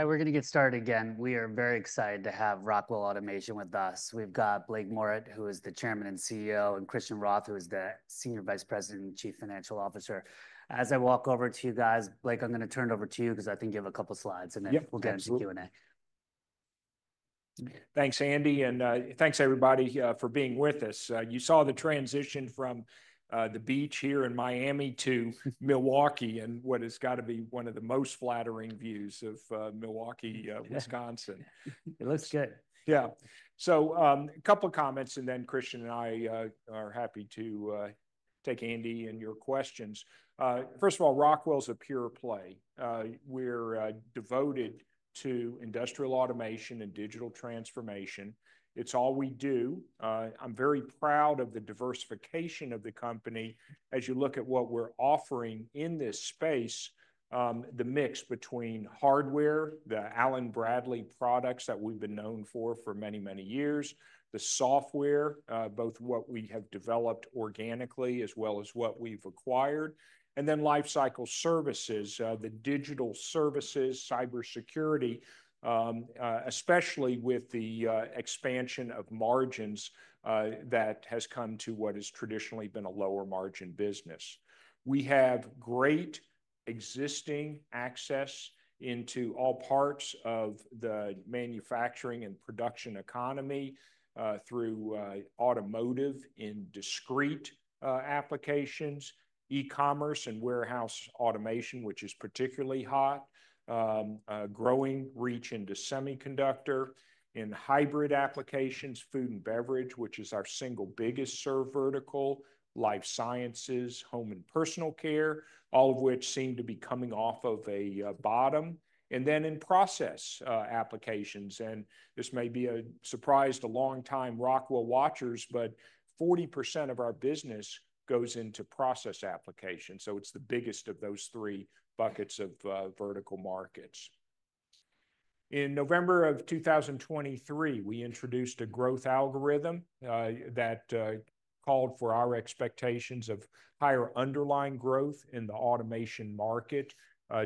All right, we're going to get started again. We are very excited to have Rockwell Automation with us. We've got Blake Moret, who is the Chairman and CEO, and Christian Rothe, who is the Senior Vice President and Chief Financial Officer. As I walk over to you guys, Blake, I'm going to turn it over to you because I think you have a couple of slides, and then we'll get into Q&A. Thanks, Andy, and thanks, everybody, for being with us. You saw the transition from the beach here in Miami to Milwaukee and what has got to be one of the most flattering views of Milwaukee, Wisconsin. It looks good. Yeah. So, a couple of comments, and then Christian and I are happy to take Andy and your questions. First of all, Rockwell is a pure play. We're devoted to industrial automation and digital transformation. It's all we do. I'm very proud of the diversification of the company. As you look at what we're offering in this space, the mix between hardware, the Allen-Bradley products that we've been known for for many, many years, the software, both what we have developed organically as well as what we've acquired, and then Lifecycle Services, the digital services, cybersecurity, especially with the expansion of margins that has come to what has traditionally been a lower margin business. We have great existing access into all parts of the manufacturing and production economy through automotive in discrete applications, e-commerce and warehouse automation, which is particularly hot, growing reach into semiconductor, in hybrid applications, food and beverage, which is our single biggest served vertical, life sciences, home and personal care, all of which seem to be coming off of a bottom, and then in process applications, and this may be a surprise to longtime Rockwell watchers, but 40% of our business goes into process applications, so it's the biggest of those three buckets of vertical markets. In November of 2023, we introduced a growth algorithm that called for our expectations of higher underlying growth in the automation market,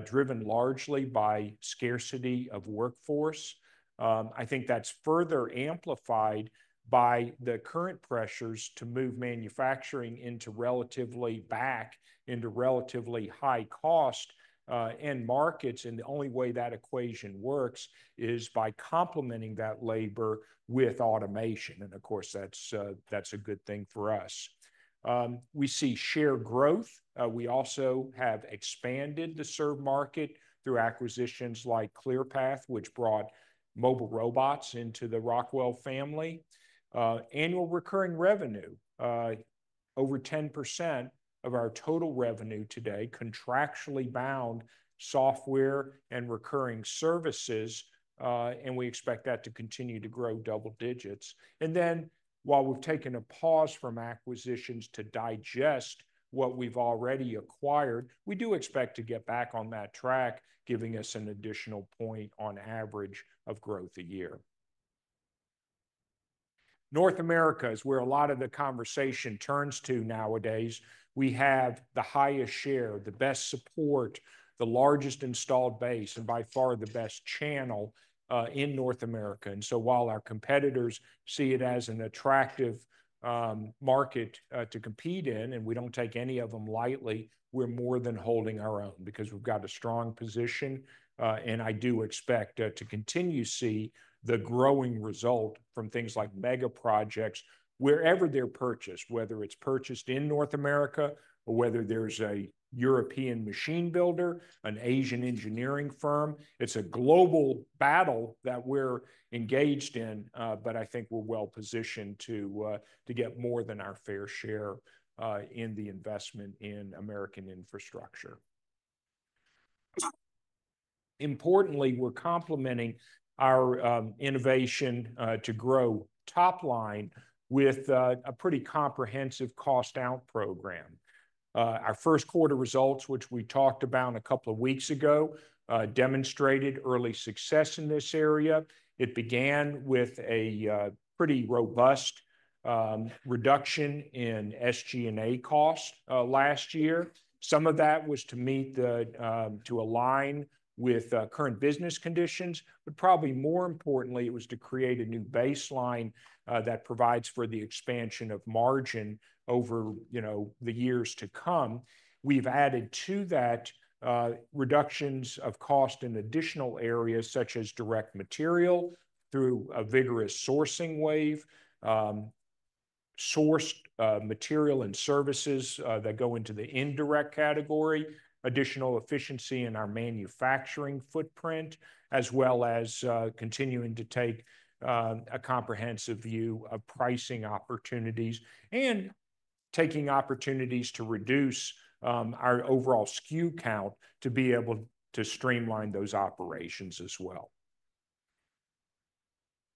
driven largely by scarcity of workforce. I think that's further amplified by the current pressures to move manufacturing back into relatively high cost end markets. And the only way that equation works is by complementing that labor with automation. And of course, that's a good thing for us. We see share growth. We also have expanded the service market through acquisitions like Clearpath, which brought mobile robots into the Rockwell family. Annual recurring revenue, over 10% of our total revenue today, contractually bound software and recurring services. And we expect that to continue to grow double digits. And then while we've taken a pause from acquisitions to digest what we've already acquired, we do expect to get back on that track, giving us an additional point on average of growth a year. North America is where a lot of the conversation turns to nowadays. We have the highest share, the best support, the largest installed base, and by far the best channel in North America. And so while our competitors see it as an attractive market to compete in, and we don't take any of them lightly, we're more than holding our own because we've got a strong position. And I do expect to continue to see the growing result from things like mega projects, wherever they're purchased, whether it's purchased in North America or whether there's a European machine builder, an Asian engineering firm. It's a global battle that we're engaged in, but I think we're well positioned to get more than our fair share in the investment in American infrastructure. Importantly, we're complementing our innovation to grow top line with a pretty comprehensive cost out program. Our first quarter results, which we talked about a couple of weeks ago, demonstrated early success in this area. It began with a pretty robust reduction in SG&A cost last year. Some of that was to align with current business conditions, but probably more importantly, it was to create a new baseline that provides for the expansion of margin over the years to come. We've added to that reductions of cost in additional areas such as direct material through a vigorous sourcing wave, sourced material and services that go into the indirect category, additional efficiency in our manufacturing footprint, as well as continuing to take a comprehensive view of pricing opportunities and taking opportunities to reduce our overall SKU count to be able to streamline those operations as well.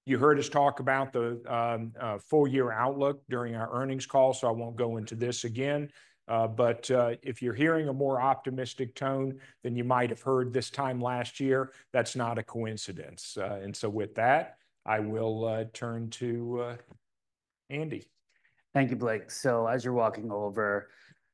You heard us talk about the full year outlook during our earnings call, so I won't go into this again. But if you're hearing a more optimistic tone than you might have heard this time last year, that's not a coincidence. And so with that, I will turn to Andy. Thank you, Blake. So as you're walking over,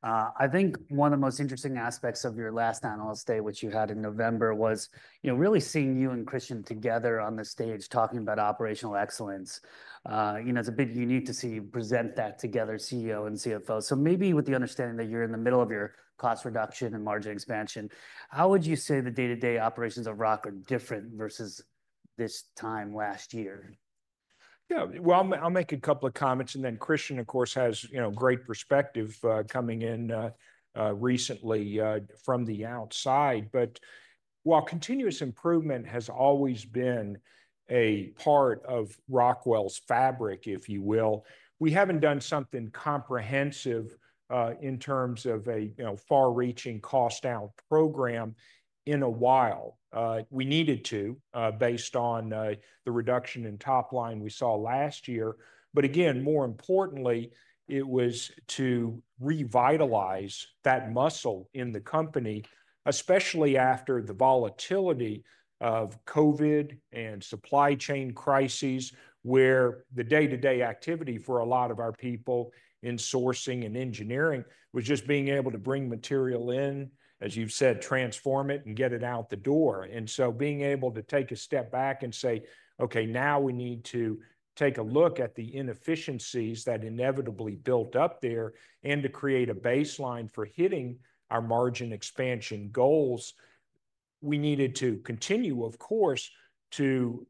I think one of the most interesting aspects of your last Analyst Day, which you had in November, was really seeing you and Christian together on the stage talking about operational excellence. It's a bit unique to see you present that together, CEO and CFO. So maybe with the understanding that you're in the middle of your cost reduction and margin expansion, how would you say the day-to-day operations of Rockwell are different versus this time last year? Yeah, well, I'll make a couple of comments. And then Christian, of course, has great perspective coming in recently from the outside. But while continuous improvement has always been a part of Rockwell's fabric, if you will, we haven't done something comprehensive in terms of a far-reaching cost out program in a while. We needed to, based on the reduction in top line we saw last year. But again, more importantly, it was to revitalize that muscle in the company, especially after the volatility of COVID and supply chain crises, where the day-to-day activity for a lot of our people in sourcing and engineering was just being able to bring material in, as you've said, transform it and get it out the door. And so being able to take a step back and say, okay, now we need to take a look at the inefficiencies that inevitably built up there and to create a baseline for hitting our margin expansion goals. We needed to continue, of course, to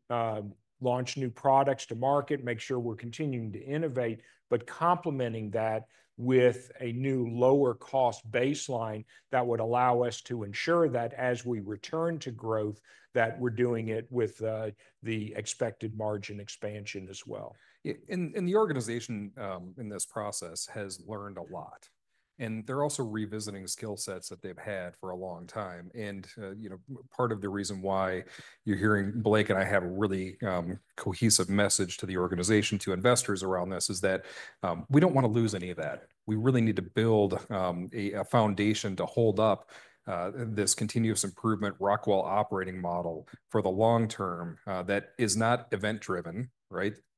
launch new products to market, make sure we're continuing to innovate, but complementing that with a new lower cost baseline that would allow us to ensure that as we return to growth, that we're doing it with the expected margin expansion as well. The organization in this process has learned a lot. They're also revisiting skill sets that they've had for a long time. Part of the reason why you're hearing Blake and I have a really cohesive message to the organization, to investors around this, is that we don't want to lose any of that. We really need to build a foundation to hold up this continuous improvement Rockwell Operating Model for the long term that is not event-driven, right?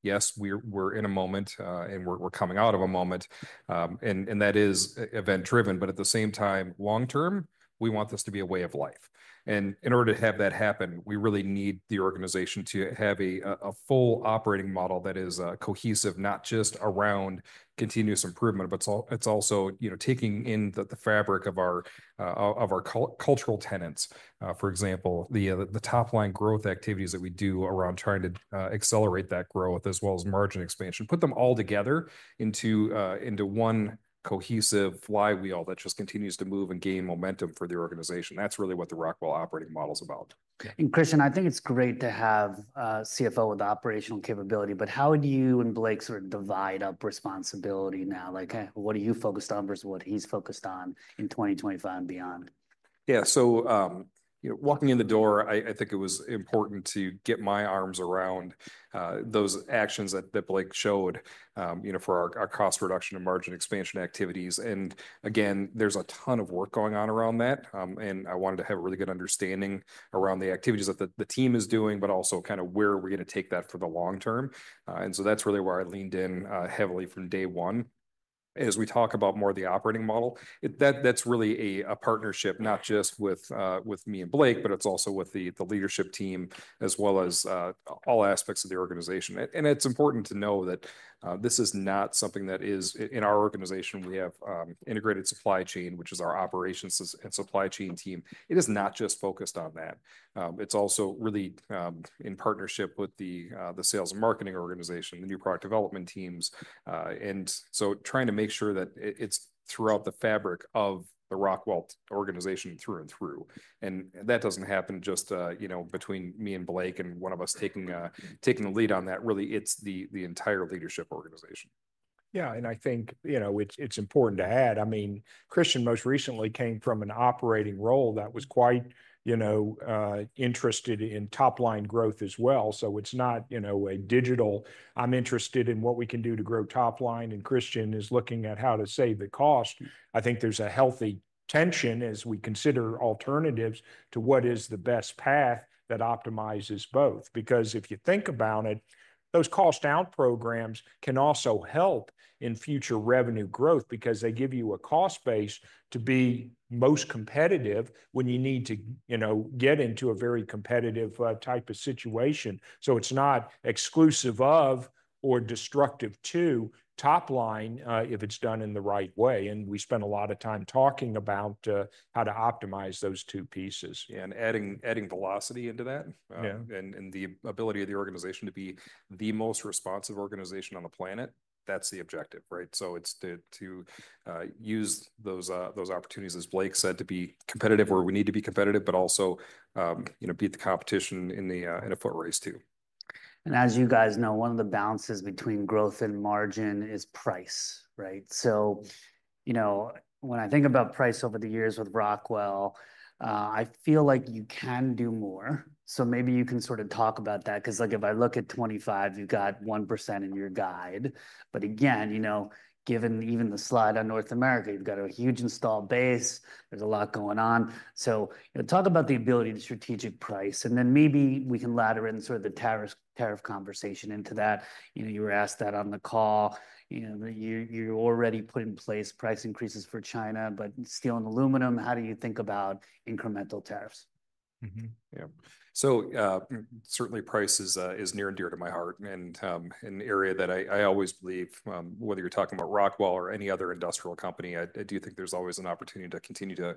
Yes, we're in a moment and we're coming out of a moment. That is event-driven, but at the same time, long term, we want this to be a way of life. In order to have that happen, we really need the organization to have a full operating model that is cohesive, not just around continuous improvement, but it's also taking in the fabric of our cultural tenets. For example, the top line growth activities that we do around trying to accelerate that growth as well as margin expansion. Put them all together into one cohesive flywheel that just continues to move and gain momentum for the organization. That's really what the Rockwell Operating Model is about. Christian, I think it's great to have CFO with the operational capability, but how do you and Blake sort of divide up responsibility now? What are you focused on versus what he's focused on in 2025 and beyond? Yeah, so walking in the door, I think it was important to get my arms around those actions that Blake showed for our cost reduction and margin expansion activities, and again, there's a ton of work going on around that. I wanted to have a really good understanding around the activities that the team is doing, but also kind of where we're going to take that for the long term, and so that's really where I leaned in heavily from day one. As we talk about more of the operating model, that's really a partnership, not just with me and Blake, but it's also with the leadership team as well as all aspects of the organization, and it's important to know that this is not something that is in our organization. We have Integrated Supply Chain, which is our operations and supply chain team. It is not just focused on that. It's also really in partnership with the sales and marketing organization, the new product development teams. And so trying to make sure that it's throughout the fabric of the Rockwell organization through and through. And that doesn't happen just between me and Blake and one of us taking the lead on that. Really, it's the entire leadership organization. Yeah, and I think it's important to add. I mean, Christian most recently came from an operating role that was quite interested in top line growth as well. So it's not a digital, I'm interested in what we can do to grow top line. And Christian is looking at how to save the cost. I think there's a healthy tension as we consider alternatives to what is the best path that optimizes both. Because if you think about it, those cost out programs can also help in future revenue growth because they give you a cost base to be most competitive when you need to get into a very competitive type of situation. So it's not exclusive of or destructive to top line if it's done in the right way. And we spent a lot of time talking about how to optimize those two pieces. Yeah, and adding velocity into that and the ability of the organization to be the most responsive organization on the planet, that's the objective, right? So it's to use those opportunities, as Blake said, to be competitive where we need to be competitive, but also beat the competition in a foot race too. And as you guys know, one of the balances between growth and margin is price, right? So when I think about price over the years with Rockwell, I feel like you can do more. So maybe you can sort of talk about that because if I look at 2025, you've got 1% in your guide. But again, given even the slide on North America, you've got a huge installed base. There's a lot going on. So talk about the ability to strategic price. And then maybe we can ladder in sort of the tariff conversation into that. You were asked that on the call. You're already putting in place price increases for China, but steel and aluminum, how do you think about incremental tariffs? Yeah. So certainly price is near and dear to my heart and an area that I always believe, whether you're talking about Rockwell or any other industrial company, I do think there's always an opportunity to continue to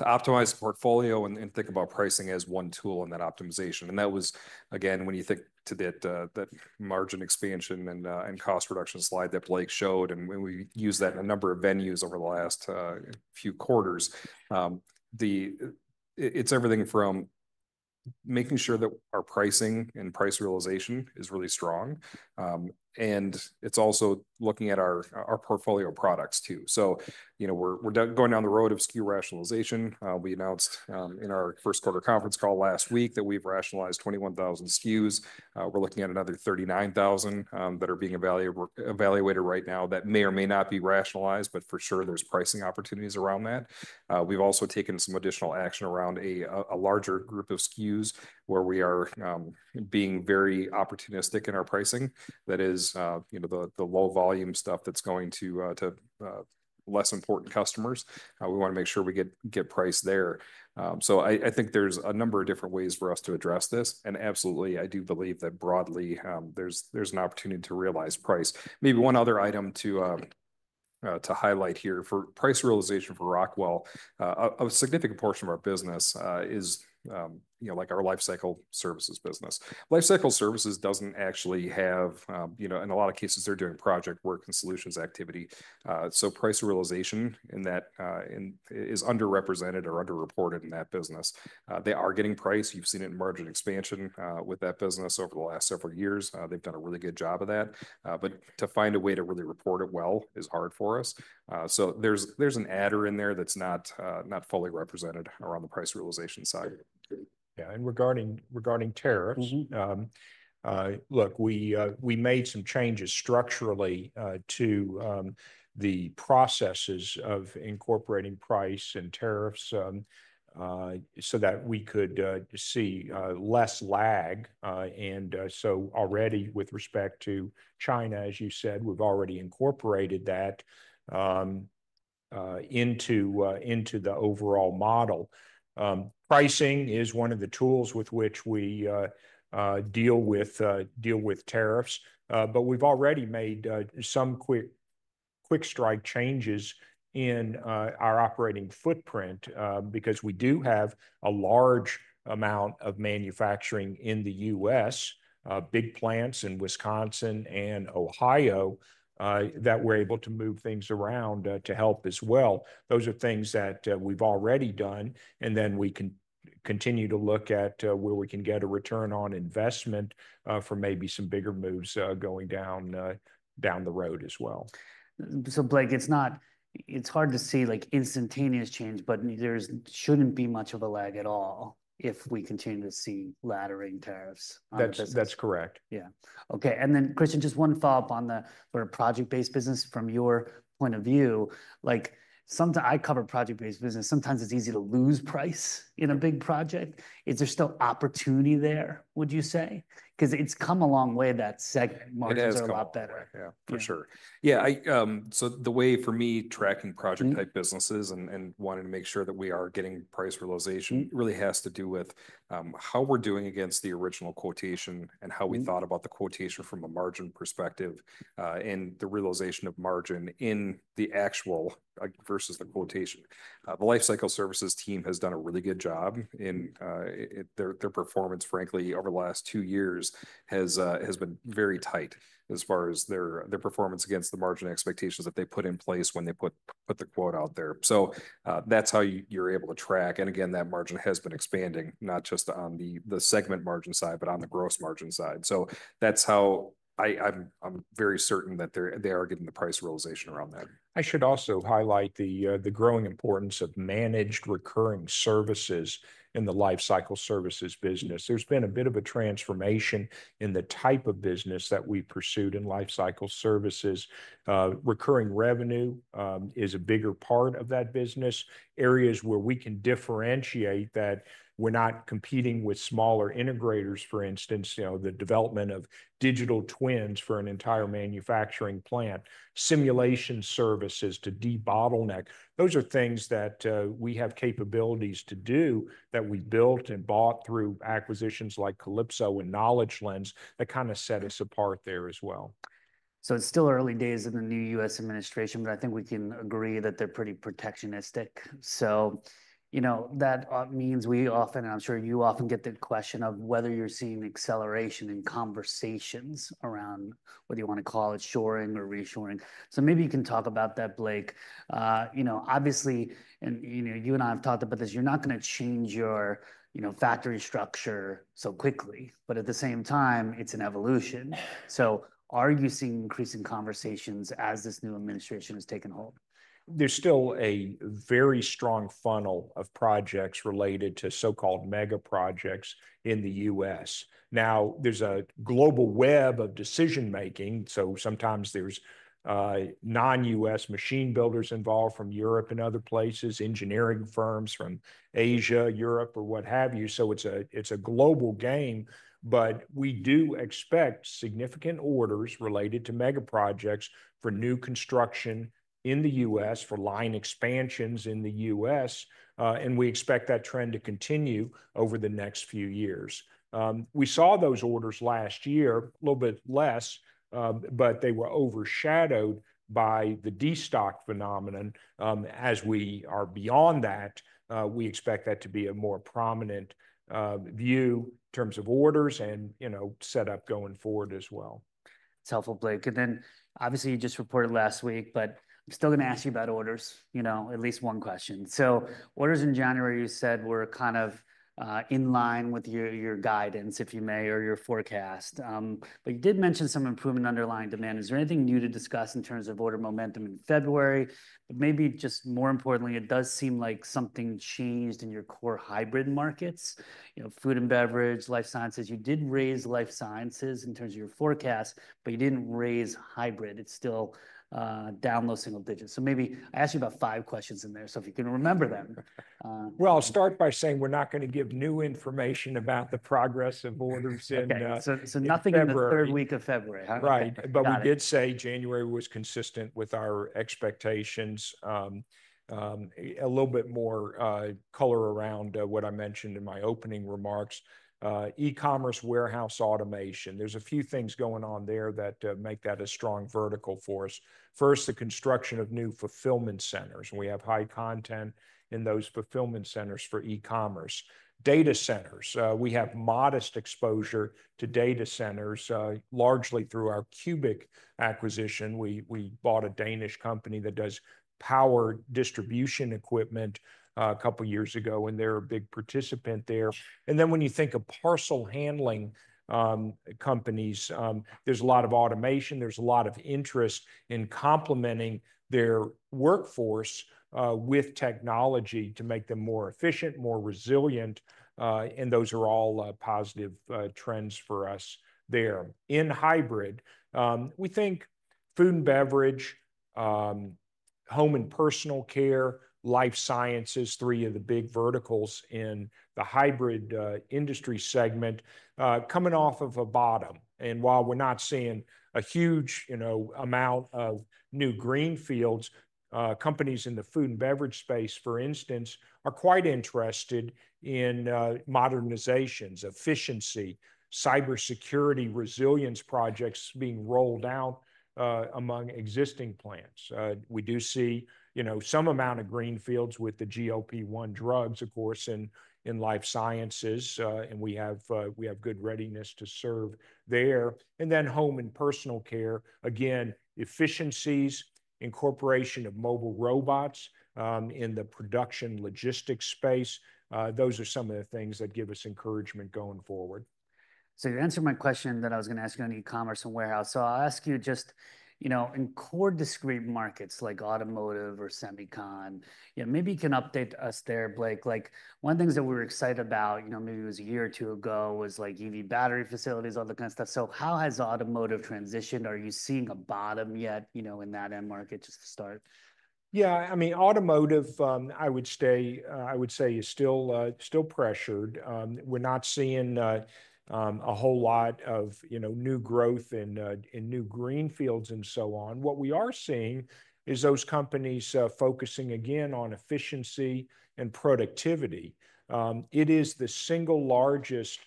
optimize the portfolio and think about pricing as one tool in that optimization. And that was, again, when you think to that margin expansion and cost reduction slide that Blake showed, and we used that in a number of venues over the last few quarters. It's everything from making sure that our pricing and price realization is really strong. And it's also looking at our portfolio products too. So we're going down the road of SKU rationalization. We announced in our first quarter conference call last week that we've rationalized 21,000 SKUs. We're looking at another 39,000 that are being evaluated right now that may or may not be rationalized, but for sure there's pricing opportunities around that. We've also taken some additional action around a larger group of SKUs where we are being very opportunistic in our pricing. That is the low volume stuff that's going to less important customers. We want to make sure we get priced there. So I think there's a number of different ways for us to address this, and absolutely, I do believe that broadly there's an opportunity to realize price. Maybe one other item to highlight here for price realization for Rockwell, a significant portion of our business is like our Lifecycle Services business. Lifecycle Services doesn't actually have, in a lot of cases, they're doing project work and solutions activity. So price realization in that is underrepresented or underreported in that business. They are getting priced. You've seen it in margin expansion with that business over the last several years. They've done a really good job of that. But to find a way to really report it well is hard for us. So there's an adder in there that's not fully represented around the price realization side. Yeah. And regarding tariffs, look, we made some changes structurally to the processes of incorporating price and tariffs so that we could see less lag. And so already with respect to China, as you said, we've already incorporated that into the overall model. Pricing is one of the tools with which we deal with tariffs. But we've already made some quick strike changes in our operating footprint because we do have a large amount of manufacturing in the U.S., big plants in Wisconsin and Ohio that we're able to move things around to help as well. Those are things that we've already done. And then we can continue to look at where we can get a return on investment for maybe some bigger moves going down the road as well. So Blake, it's hard to see instantaneous change, but there shouldn't be much of a lag at all if we continue to see laddering tariffs. That's correct. Yeah. Okay. And then Christian, just one follow-up on the project-based business from your point of view. I cover project-based business. Sometimes it's easy to lose price in a big project. Is there still opportunity there, would you say? Because it's come a long way that segment markets are a lot better. Yeah, for sure. Yeah. So the way for me tracking project-type businesses and wanting to make sure that we are getting price realization really has to do with how we're doing against the original quotation and how we thought about the quotation from a margin perspective and the realization of margin in the actual versus the quotation. The Lifecycle Services team has done a really good job in their performance. Frankly, over the last two years has been very tight as far as their performance against the margin expectations that they put in place when they put the quote out there. So that's how you're able to track. And again, that margin has been expanding, not just on the segment margin side, but on the gross margin side. So that's how I'm very certain that they are getting the price realization around that. I should also highlight the growing importance of managed recurring services in the Lifecycle Services business. There's been a bit of a transformation in the type of business that we pursued in Lifecycle Services. Recurring revenue is a bigger part of that business. Areas where we can differentiate that we're not competing with smaller integrators, for instance, the development of digital twins for an entire manufacturing plant, simulation services to de-bottleneck. Those are things that we have capabilities to do that we built and bought through acquisitions like Kalypso and Knowledge Lens that kind of set us apart there as well. It's still early days in the new U.S. administration, but I think we can agree that they're pretty protectionist. That means we often, and I'm sure you often get the question of whether you're seeing acceleration in conversations around whether you want to call it shoring or reshoring. Maybe you can talk about that, Blake. Obviously, and you and I have talked about this, you're not going to change your factory structure so quickly, but at the same time, it's an evolution. Are you seeing increasing conversations as this new administration has taken hold? There's still a very strong funnel of projects related to so-called mega projects in the U.S. Now, there's a global web of decision-making. So sometimes there's non-US machine builders involved from Europe and other places, engineering firms from Asia, Europe, or what have you. So it's a global game, but we do expect significant orders related to mega projects for new construction in the U.S., for line expansions in the U.S. And we expect that trend to continue over the next few years. We saw those orders last year, a little bit less, but they were overshadowed by the destock phenomenon. As we are beyond that, we expect that to be a more prominent view in terms of orders and setup going forward as well. It's helpful, Blake, and then obviously you just reported last week, but I'm still going to ask you about orders, at least one question, so orders in January, you said were kind of in line with your guidance, if I may, or your forecast, but you did mention some improvement in underlying demand. Is there anything new to discuss in terms of order momentum in February, but maybe just more importantly, it does seem like something changed in your core hybrid markets, food and beverage, life sciences? You did raise life sciences in terms of your forecast, but you didn't raise hybrid. It's still down low single digits, so maybe I asked you about five questions in there, so if you can remember them. I'll start by saying we're not going to give new information about the progress of orders in. Nothing in the third week of February. Right. But we did say January was consistent with our expectations. A little bit more color around what I mentioned in my opening remarks. E-commerce warehouse automation. There's a few things going on there that make that a strong vertical for us. First, the construction of new fulfillment centers. We have high content in those fulfillment centers for e-commerce. Data centers. We have modest exposure to data centers largely through our CUBIC acquisition. We bought a Danish company that does power distribution equipment a couple of years ago, and they're a big participant there. And then when you think of parcel handling companies, there's a lot of automation. There's a lot of interest in complementing their workforce with technology to make them more efficient, more resilient. And those are all positive trends for us there. In hybrid, we think food and beverage, home and personal care, life sciences, three of the big verticals in the hybrid industry segment coming off of a bottom. And while we're not seeing a huge amount of new greenfields, companies in the food and beverage space, for instance, are quite interested in modernizations, efficiency, cybersecurity, resilience projects being rolled out among existing plants. We do see some amount of greenfields with the GLP-1 drugs, of course, in life sciences. And we have good readiness to serve there. And then home and personal care, again, efficiencies, incorporation of mobile robots in the production logistics space. Those are some of the things that give us encouragement going forward. So you answered my question that I was going to ask you on e-commerce and warehouse. So I'll ask you just in core discrete markets like automotive or semicon, maybe you can update us there, Blake. One of the things that we were excited about, maybe it was a year or two ago, was EV battery facilities, all that kind of stuff. So how has automotive transitioned? Are you seeing a bottom yet in that end market just to start? Yeah. I mean, automotive, I would say is still pressured. We're not seeing a whole lot of new growth in new greenfields and so on. What we are seeing is those companies focusing again on efficiency and productivity. It is the single largest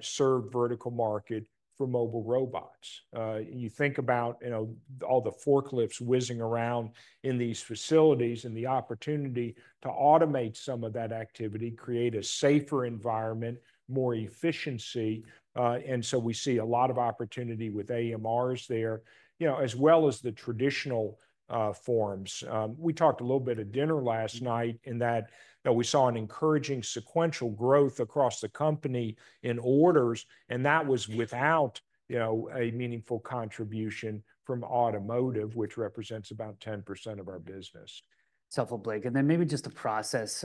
served vertical market for mobile robots. You think about all the forklifts whizzing around in these facilities and the opportunity to automate some of that activity, create a safer environment, more efficiency. And so we see a lot of opportunity with AMRs there, as well as the traditional forms. We talked a little bit at dinner last night in that we saw an encouraging sequential growth across the company in orders, and that was without a meaningful contribution from automotive, which represents about 10% of our business. It's helpful, Blake. And then maybe just the process.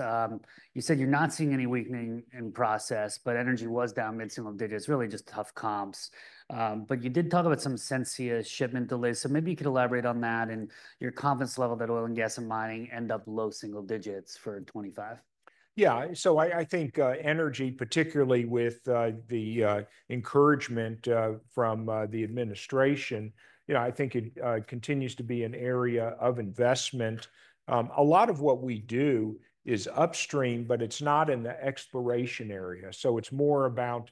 You said you're not seeing any weakening in process, but energy was down mid-single digits. Really just tough comps. But you did talk about some Sensia shipment delays. So maybe you could elaborate on that and your confidence level that oil and gas and mining end up low single digits for 2025? Yeah, so I think energy, particularly with the encouragement from the administration. I think it continues to be an area of investment. A lot of what we do is upstream, but it's not in the exploration area. So it's more about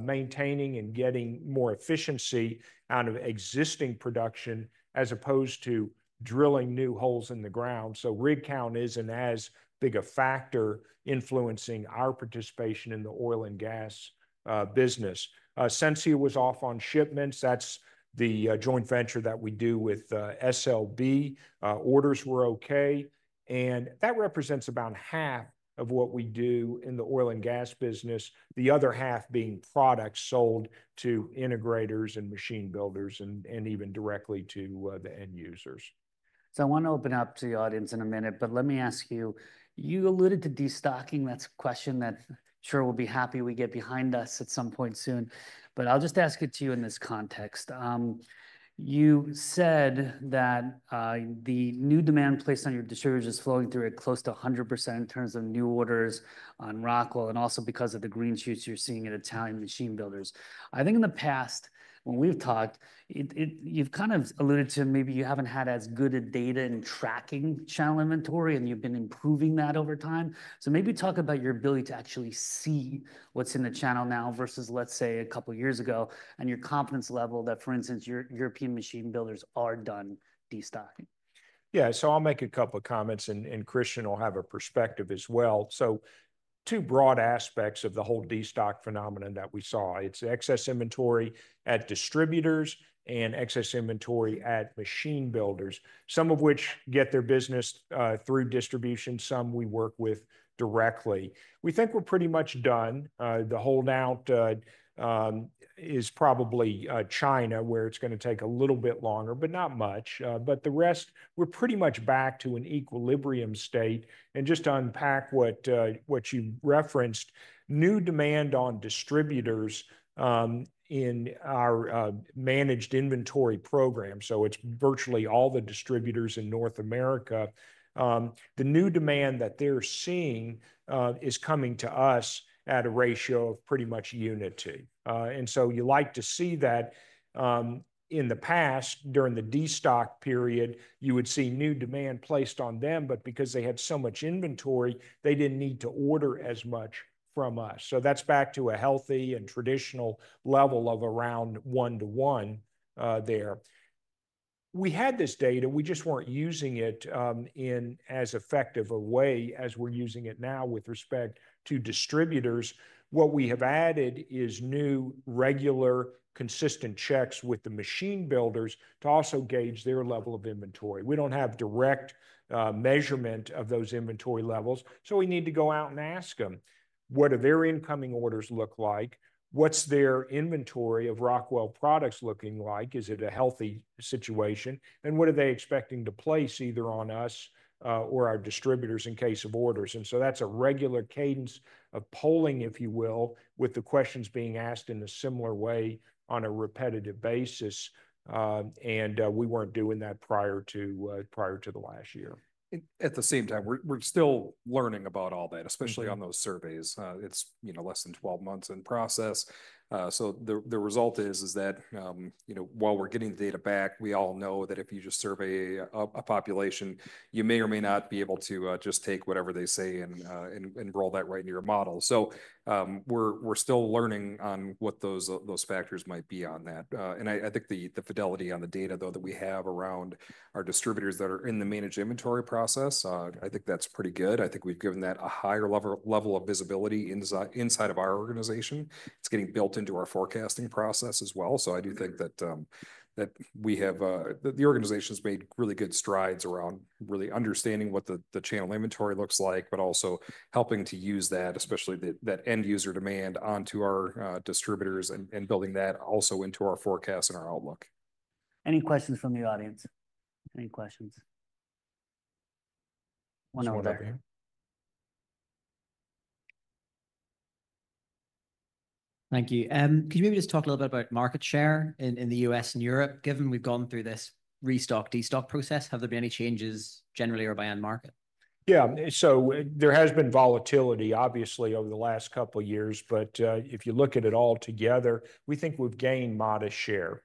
maintaining and getting more efficiency out of existing production as opposed to drilling new holes in the ground. So rig count isn't as big a factor influencing our participation in the oil and gas business. Sensia was off on shipments. That's the joint venture that we do with SLB. Orders were okay. And that represents about half of what we do in the oil and gas business, the other half being products sold to integrators and machine builders and even directly to the end users. So I want to open up to the audience in a minute, but let me ask you. You alluded to destocking. That's a question that sure will be happy we get behind us at some point soon. But I'll just ask it to you in this context. You said that the new demand placed on your distributors is flowing through at close to 100% in terms of new orders on Rockwell and also because of the green shoots you're seeing in Italian machine builders. I think in the past, when we've talked, you've kind of alluded to maybe you haven't had as good a data and tracking channel inventory, and you've been improving that over time. So maybe talk about your ability to actually see what's in the channel now versus, let's say, a couple of years ago and your confidence level that, for instance, European machine builders are done destocking? Yeah. I'll make a couple of comments, and Christian will have a perspective as well. Two broad aspects of the whole destock phenomenon that we saw. It's excess inventory at distributors and excess inventory at machine builders, some of which get their business through distribution, some we work with directly. We think we're pretty much done. The holdout is probably China, where it's going to take a little bit longer, but not much. The rest, we're pretty much back to an equilibrium state. Just to unpack what you referenced, new demand on distributors in our managed inventory program. It's virtually all the distributors in North America. The new demand that they're seeing is coming to us at a ratio of pretty much unity. You like to see that in the past, during the destocking period, you would see new demand placed on them, but because they had so much inventory, they didn't need to order as much from us. That's back to a healthy and traditional level of around one-to-one there. We had this data. We just weren't using it in as effective a way as we're using it now with respect to distributors. What we have added is new regular consistent checks with the machine builders to also gauge their level of inventory. We don't have direct measurement of those inventory levels. We need to go out and ask them, what do their incoming orders look like? What's their inventory of Rockwell products looking like? Is it a healthy situation? What are they expecting to place either on us or our distributors in case of orders? And so that's a regular cadence of polling, if you will, with the questions being asked in a similar way on a repetitive basis. And we weren't doing that prior to the last year. At the same time, we're still learning about all that, especially on those surveys. It's less than 12 months in process. So the result is that while we're getting the data back, we all know that if you just survey a population, you may or may not be able to just take whatever they say and roll that right into your model. So we're still learning on what those factors might be on that. And I think the fidelity on the data, though, that we have around our distributors that are in the managed inventory process, I think that's pretty good. I think we've given that a higher level of visibility inside of our organization. It's getting built into our forecasting process as well, so I do think that the organization has made really good strides around really understanding what the channel inventory looks like, but also helping to use that, especially that end user demand onto our distributors and building that also into our forecast and our outlook. Any questions from the audience? Any questions? One over there. Thank you. Could you maybe just talk a little bit about market share in the U.S. and Europe, given we've gone through this restock, destock process? Have there been any changes generally or by end market? Yeah. So there has been volatility, obviously, over the last couple of years. But if you look at it all together, we think we've gained modest share.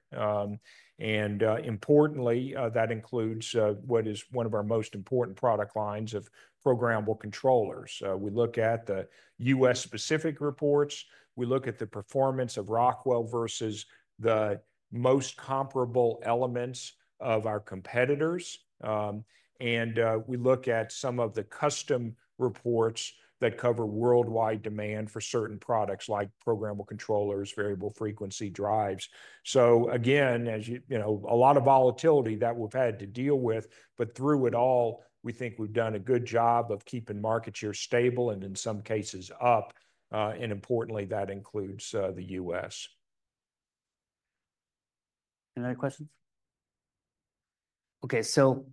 And importantly, that includes what is one of our most important product lines of programmable controllers. We look at the U.S.-specific reports. We look at the performance of Rockwell versus the most comparable elements of our competitors. And we look at some of the custom reports that cover worldwide demand for certain products like programmable controllers, variable frequency drives. So again, a lot of volatility that we've had to deal with. But through it all, we think we've done a good job of keeping market share stable and in some cases up. And importantly, that includes the U.S. Any other questions? Okay. So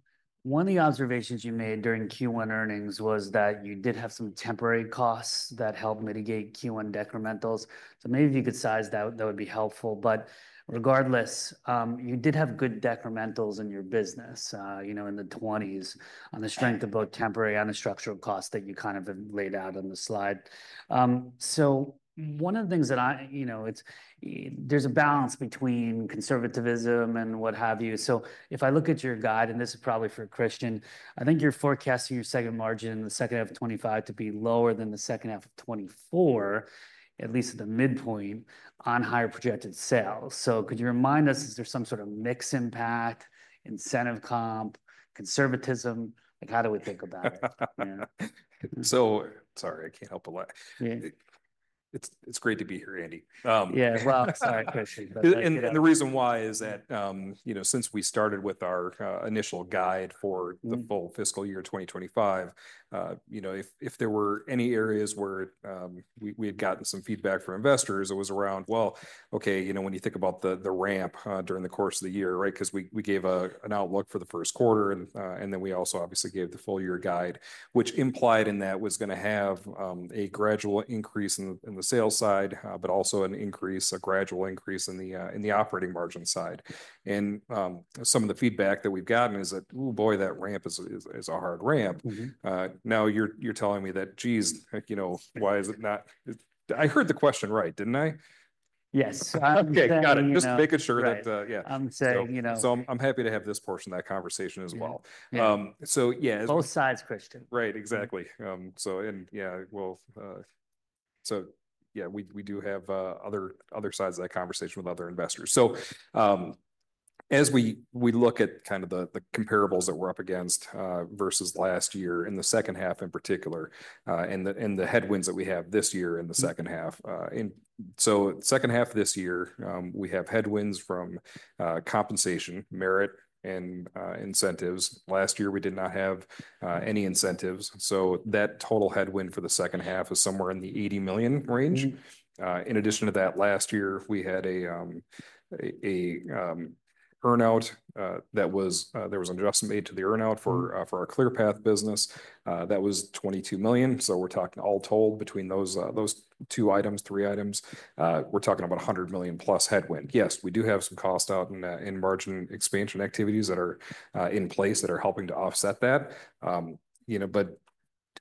one of the observations you made during Q1 earnings was that you did have some temporary costs that helped mitigate Q1 decrementals. So maybe if you could size that, that would be helpful. But regardless, you did have good decrementals in your business in the '20s on the strength of both temporary and the structural costs that you kind of have laid out on the slide. So one of the things that there's a balance between conservatism and what have you. So if I look at your guide, and this is probably for Christian, I think you're forecasting your second margin in the second half of 2025 to be lower than the second half of 2024, at least at the midpoint on higher projected sales. So could you remind us, is there some sort of mix impact, incentive comp, conservatism? How do we think about it? So sorry, I can't help a lot. It's great to be here, Andy. Yeah, as well. Sorry, Christian. The reason why is that since we started with our initial guide for the full fiscal year 2025, if there were any areas where we had gotten some feedback from investors, it was around, well, okay, when you think about the ramp during the course of the year, because we gave an outlook for the first quarter, and then we also obviously gave the full year guide, which implied in that was going to have a gradual increase in the sales side, but also an increase, a gradual increase in the operating margin side. Some of the feedback that we've gotten is that, ooh boy, that ramp is a hard ramp. Now you're telling me that, geez, why is it not? I heard the question right, didn't I? Yes. Okay, got it. Just making sure that, yeah. I'm saying. I'm happy to have this portion of that conversation as well. Yeah. Both sides, Christian. Right, exactly. So yeah, well, so yeah, we do have other sides of that conversation with other investors. So as we look at kind of the comparables that we're up against versus last year in the second half in particular, and the headwinds that we have this year in the second half. So second half this year, we have headwinds from compensation, merit, and incentives. Last year, we did not have any incentives. So that total headwind for the second half is somewhere in the $80 million range. In addition to that, last year, we had an earnout that was an adjustment made to the earnout for our ClearPath business. That was $22 million. So we're talking all told between those two items, three items, we're talking about $100 million plus headwind. Yes, we do have some cost out in margin expansion activities that are in place that are helping to offset that. But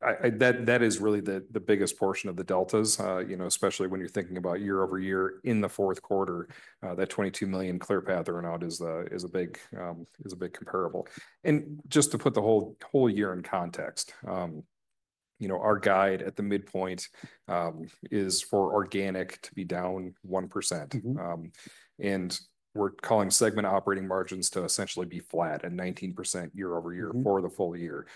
that is really the biggest portion of the deltas, especially when you're thinking about year over year in the fourth quarter, that $22 million ClearPath earnout is a big comparable. And just to put the whole year in context, our guide at the midpoint is for organic to be down 1%. And we're calling segment operating margins to essentially be flat at 19% year over year for the full year.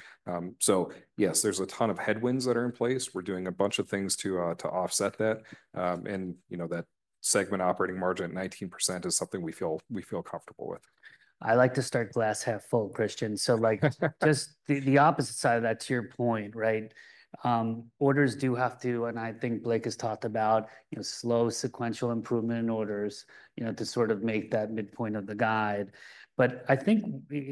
So yes, there's a ton of headwinds that are in place. We're doing a bunch of things to offset that. And that segment operating margin at 19% is something we feel comfortable with. I like to start glass half full, Christian, so just the opposite side of that, to your point, right? Orders do have to, and I think Blake has talked about slow sequential improvement in orders to sort of make that midpoint of the guide, but I think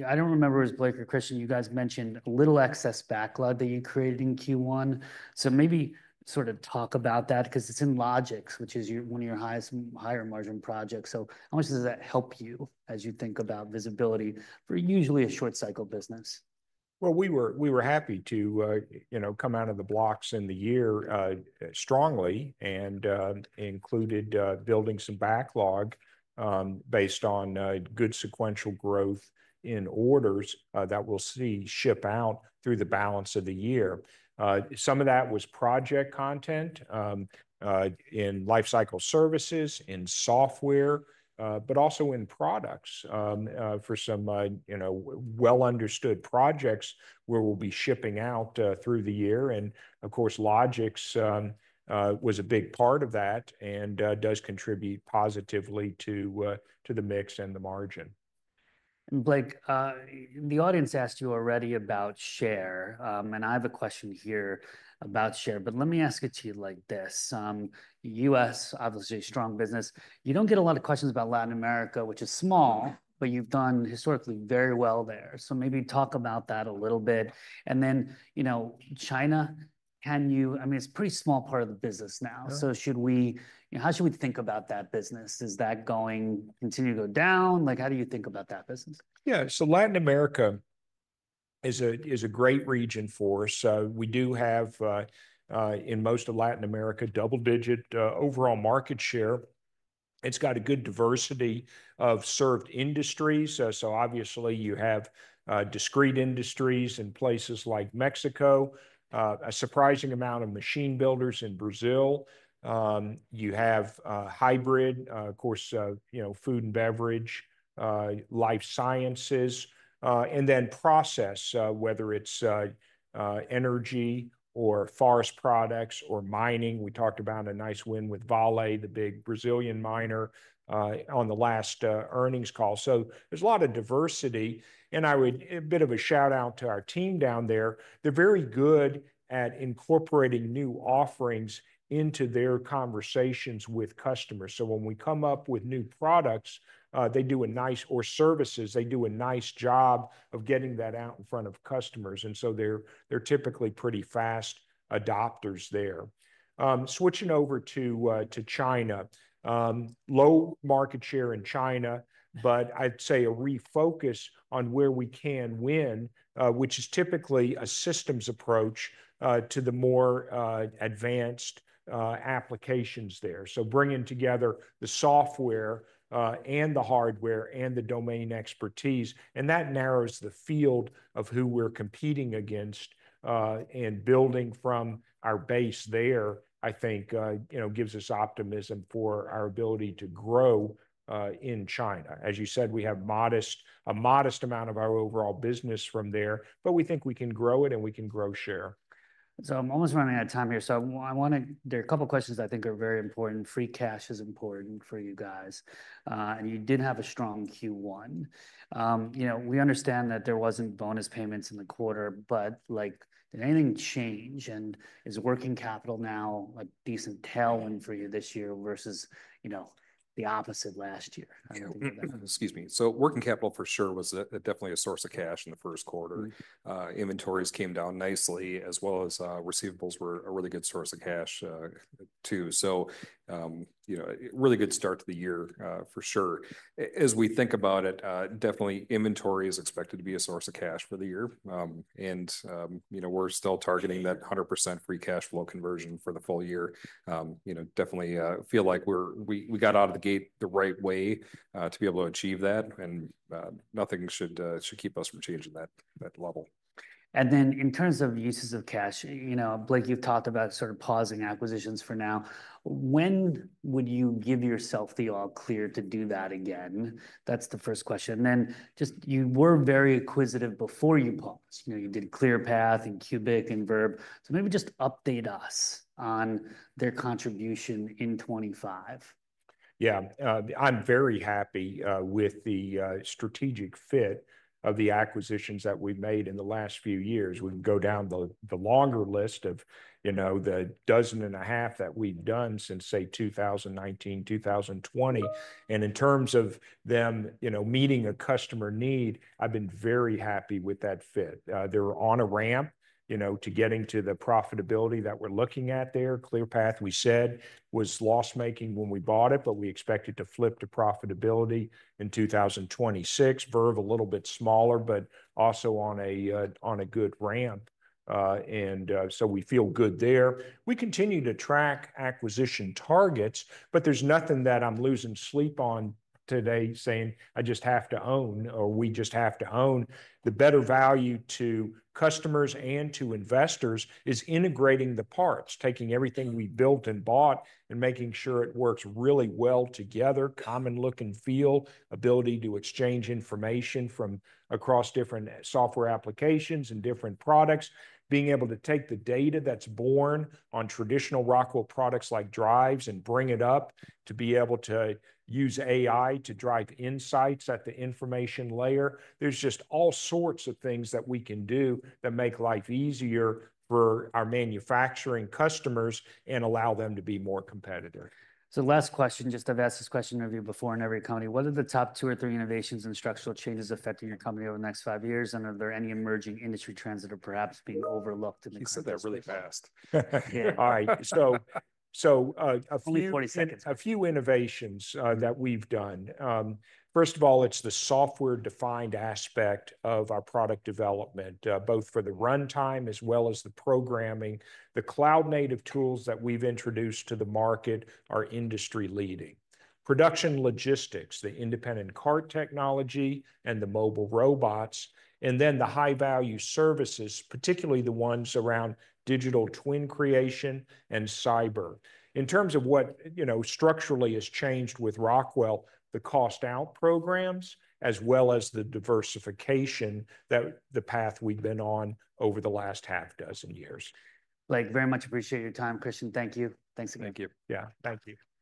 I don't remember if it was Blake or Christian, you guys mentioned a little excess backlog that you created in Q1, so maybe sort of talk about that because it's in Logix, which is one of your higher margin projects, so how much does that help you as you think about visibility for usually a short-cycle business? We were happy to come out of the blocks in the year strongly and included building some backlog based on good sequential growth in orders that we'll see ship out through the balance of the year. Some of that was project content in Lifecycle Services, in software, but also in products for some well-understood projects where we'll be shipping out through the year. Of course, Logix was a big part of that and does contribute positively to the mix and the margin. And, Blake, the audience asked you already about share. And I have a question here about share, but let me ask it to you like this. U.S., obviously a strong business. You don't get a lot of questions about Latin America, which is small, but you've done historically very well there. So maybe talk about that a little bit. And then China, I mean, it's a pretty small part of the business now. So how should we think about that business? Is that going to continue to go down? How do you think about that business? Yeah. So Latin America is a great region for us. We do have, in most of Latin America, double-digit overall market share. It's got a good diversity of served industries. So obviously, you have discrete industries in places like Mexico, a surprising amount of machine builders in Brazil. You have hybrid, of course, food and beverage, life sciences, and then process, whether it's energy or forest products or mining. We talked about a nice win with Vale, the big Brazilian miner, on the last earnings call. So there's a lot of diversity. And I would a bit of a shout-out to our team down there. They're very good at incorporating new offerings into their conversations with customers. So when we come up with new products or services, they do a nice job of getting that out in front of customers. And so they're typically pretty fast adopters there. Switching over to China, low market share in China, but I'd say a refocus on where we can win, which is typically a systems approach to the more advanced applications there. So bringing together the software and the hardware and the domain expertise. And that narrows the field of who we're competing against and building from our base there, I think, gives us optimism for our ability to grow in China. As you said, we have a modest amount of our overall business from there, but we think we can grow it and we can grow share. I'm almost running out of time here. There are a couple of questions I think are very important. Free cash is important for you guys. You did have a strong Q1. We understand that there wasn't bonus payments in the quarter, but did anything change? Is working capital now a decent tailwind for you this year versus the opposite last year? Excuse me. So working capital for sure was definitely a source of cash in the first quarter. Inventories came down nicely, as well as receivables were a really good source of cash too. So really good start to the year for sure. As we think about it, definitely inventory is expected to be a source of cash for the year. And we're still targeting that 100% free cash flow conversion for the full year. Definitely feel like we got out of the gate the right way to be able to achieve that. And nothing should keep us from changing that level. And then in terms of uses of cash, Blake, you've talked about sort of pausing acquisitions for now. When would you give yourself the all clear to do that again? That's the first question. And then just you were very acquisitive before you paused. You did Clearpath and CUBIC and Verve. So maybe just update us on their contribution in 2025. Yeah. I'm very happy with the strategic fit of the acquisitions that we've made in the last few years. We can go down the longer list of the dozen and a half that we've done since, say, 2019, 2020. And in terms of them meeting a customer need, I've been very happy with that fit. They're on a ramp to getting to the profitability that we're looking at there. Clearpath, we said, was loss-making when we bought it, but we expect it to flip to profitability in 2026. Verve, a little bit smaller, but also on a good ramp. And so we feel good there. We continue to track acquisition targets, but there's nothing that I'm losing sleep on today saying I just have to own or we just have to own. The better value to customers and to investors is integrating the parts, taking everything we built and bought and making sure it works really well together, common look and feel, ability to exchange information from across different software applications and different products, being able to take the data that's born on traditional Rockwell products like drives and bring it up to be able to use AI to drive insights at the information layer. There's just all sorts of things that we can do that make life easier for our manufacturing customers and allow them to be more competitive. So, last question. Just, I've asked this question of you before in every company. What are the top two or three innovations and structural changes affecting your company over the next five years? And are there any emerging industry trends that are perhaps being overlooked in the company? You said that really fast. Yeah. All right. So a few. Only 20 seconds. A few innovations that we've done. First of all, it's the software-defined aspect of our product development, both for the runtime as well as the programming. The cloud-native tools that we've introduced to the market are industry-leading. Production logistics, the independent cart technology, and the mobile robots. And then the high-value services, particularly the ones around digital twin creation and cyber. In terms of what structurally has changed with Rockwell, the cost-out programs, as well as the diversification that the path we've been on over the last half dozen years. Blake, very much appreciate your time, Christian. Thank you. Thanks again. Thank you. Yeah. Thank you.